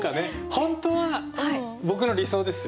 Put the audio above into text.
本当は僕の理想ですよ？